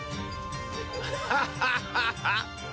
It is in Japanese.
ハハハハ！